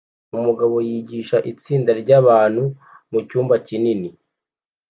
Umugabo yigisha itsinda ryabantu mucyumba kinini